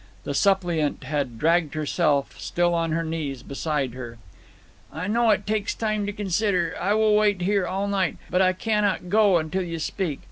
The suppliant had dragged herself, still on her knees, beside her. "I know it takes time to consider. I will wait here all night; but I cannot go until you speak.